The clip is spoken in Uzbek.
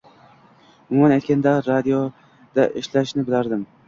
Umuman aytganda, radioda ishlashini bilardim…